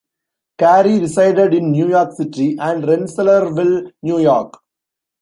Carey resided in New York City and Rensselaerville, New York.